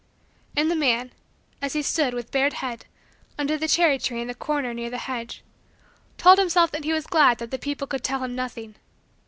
And the man, as he stood, with bared head, under the cherry tree in the corner near the hedge, told himself that he was glad that the people could tell him nothing.